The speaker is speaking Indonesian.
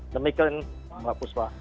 demikian pak puswa